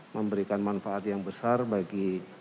memberikan manfaat yang besar bagi